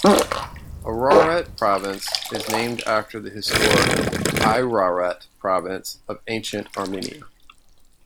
Ararat Province is named after the historic Ayrarat province of Ancient Armenia.